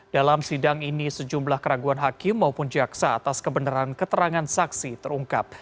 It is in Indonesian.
dalam sidang ini sejumlah keraguan hakim maupun jaksa atas kebenaran keterangan saksi terungkap